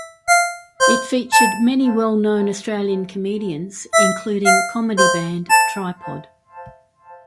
It featured many well-known Australian comedians, including comedy-band Tripod.